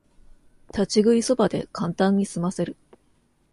立ち食いそばでカンタンにすませる